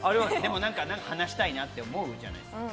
何か話したいなって思うじゃないですか。